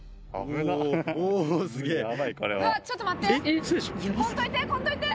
うわっちょっと待って。